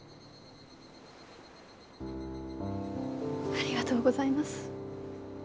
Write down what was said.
ありがとうございます。